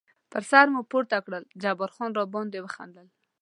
پر سر مو پورته کړل، جبار خان را باندې وخندل.